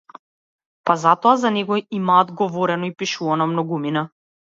Па затоа за него имаат говорено и пишувано многумина.